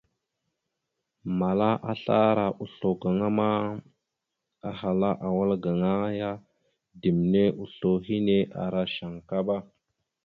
Mala asla ara oslo gaŋa ma ahala a wal gaŋa ya ɗimne oslo hine ara shankaba.